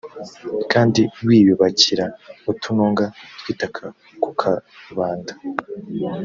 kandi wiyubakira utununga tw’ itaka ku karubanda